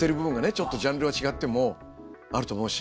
ちょっとジャンルは違ってもあると思うし。